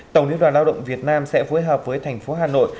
tổng liên đoàn lao động việt nam sẽ phối hợp với thành phố hà nội